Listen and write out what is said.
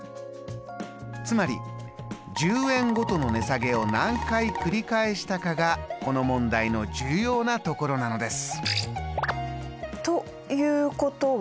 つまり１０円ごとの値下げを何回繰り返したかがこの問題の重要なところなのです！